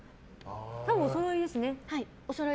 おそろいですね。